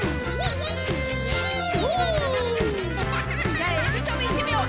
じゃあエビとびいってみよう。